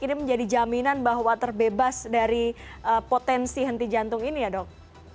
ini menjadi jaminan bahwa terbebas dari potensi henti jantung ini ya dok